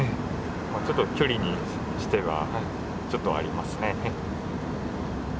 ちょっと距離にしてはちょっとありますね。